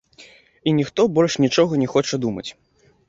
І ніхто больш нічога не хоча думаць.